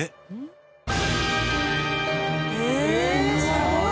すごい！